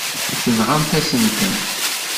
Tenɣamt-asent-ten.